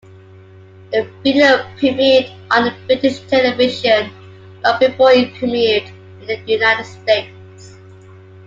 The video premiered on British television long before it premiered in the United States.